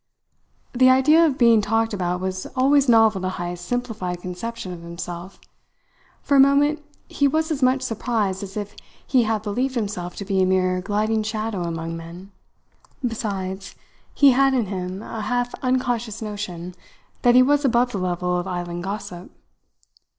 The idea of being talked about was always novel to Heyst's simplified conception of himself. For a moment he was as much surprised as if he had believed himself to be a mere gliding shadow among men. Besides, he had in him a half unconscious notion that he was above the level of island gossip.